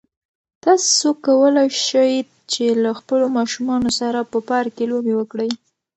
تاسو کولای شئ چې له خپلو ماشومانو سره په پارک کې لوبې وکړئ.